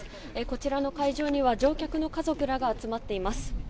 こちらの会場には乗客の家族らが集まっています。